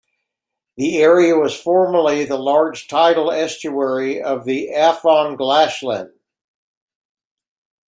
The area was formerly the large tidal estuary of the Afon Glaslyn.